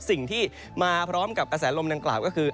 สิ่งที่มาพร้อมกับกระแสลมดังกล่าวก็คือ